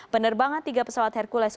penerbangan tiga pesawat hercules